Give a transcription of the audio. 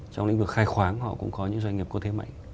trong lĩnh vực khai khoáng họ cũng có những doanh nghiệp có thế mạnh